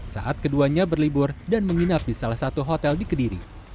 saat keduanya berlibur dan menginap di salah satu hotel di kediri